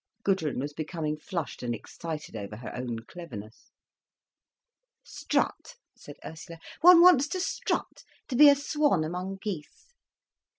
Gudrun was becoming flushed and excited over her own cleverness. "Strut," said Ursula. "One wants to strut, to be a swan among geese."